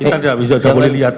kita tidak bisa lihat